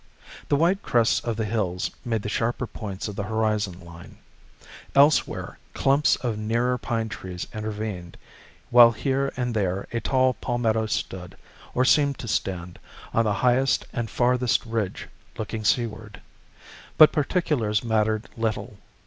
The white crests of the hills made the sharper points of the horizon line. Elsewhere clumps of nearer pine trees intervened, while here and there a tall palmetto stood, or seemed to stand, on the highest and farthest ridge looking seaward. But particulars mattered little.